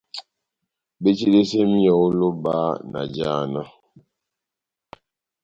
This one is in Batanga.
Betidɛsɛ míyɔ ó lóba na jána.